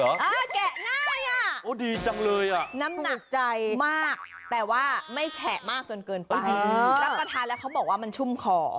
อ้าวแกะง่ายอ่ะน้ำหนักมากแต่ว่าไม่แฉะมากจนเกินไปสักประทานแล้วเขาบอกว่ามันชุ่มคอ